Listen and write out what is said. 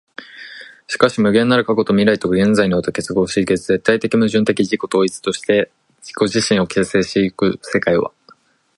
しかし無限なる過去と未来とが現在において結合し、絶対矛盾的自己同一として自己自身を形成し行く世界は、